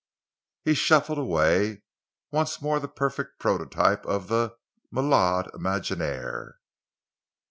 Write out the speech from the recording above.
He shuffled away, once more the perfect prototype of the malade imaginaire.